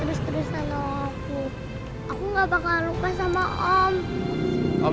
terus terusan aku aku gak bakal lupa sama om